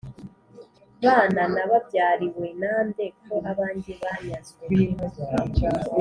bana nababyariwe na nde ko abanjye banyazwe